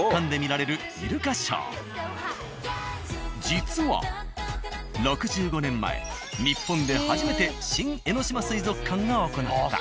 実は６５年前日本で初めて新江ノ島水族館が行った。